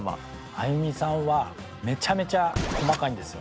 ＡＹＵＭＩさんはめちゃめちゃ細かいんですよ。